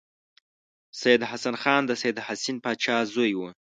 سید حسن خان د سید حسین پاچا زوی و.